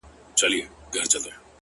• د کلې خلگ به دي څه ډول احسان ادا کړې ـ